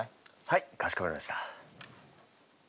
はいかしこまりました。